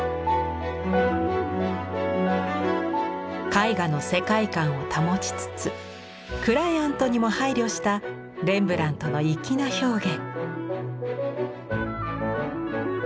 絵画の世界観を保ちつつクライアントにも配慮したレンブラントの粋な表現。